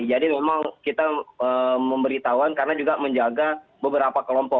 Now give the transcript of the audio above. jadi memang kita memberitahuan karena juga menjaga beberapa kelompok